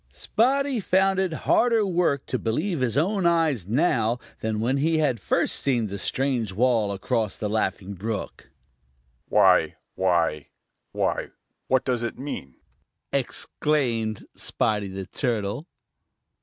Spotty found it harder work to believe his own eyes now than when he had first seen the strange wall across the Laughing Brook. "Why, why, why, what does it mean?" exclaimed Spotty the Turtle.